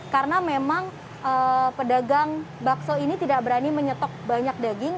karena memang pedagang bakso ini tidak berani menyetok banyak daging